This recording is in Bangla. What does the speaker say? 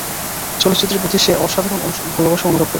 চলচ্চিত্রের প্রতি সে অসাধারণ ভালোবাসা অনুভব করে।